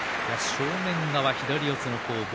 正面側、左四つの攻防。